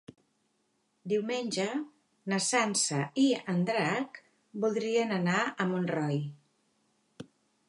Diumenge na Sança i en Drac voldrien anar a Montroi.